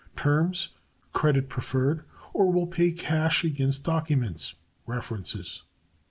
Terms, credit preferred, or will pay cash against documents. References.